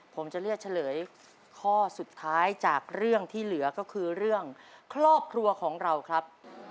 ผมจะเลือกเฉลยข้อสุดท้ายจากเรื่องที่เหลือก็คือเรื่องครอบครัวของเราครับ